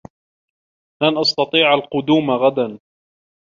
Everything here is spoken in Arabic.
لن أستطيع القدوم غدا.